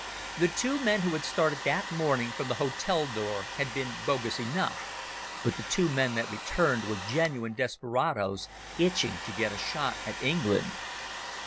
The two men who had started that morning from the hotel door had been bogus enough, but the two men that returned were genuine desperadoes itching to get a shot at England.